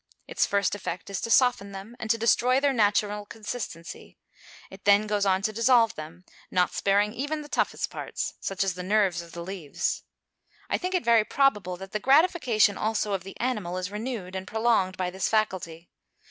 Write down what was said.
Its first effect is to soften them, and to destroy their natural consistency; it then goes on to dissolve them, not sparing even the toughest parts, such as the nerves of the leaves. I think it very probable, that the gratification also of the animal is renewed and prolonged by this faculty.